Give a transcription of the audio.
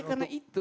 ya karena itu